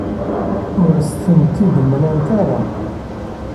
Ur as-tent-id-mlant ara.